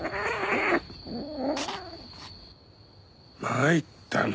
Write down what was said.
参ったな。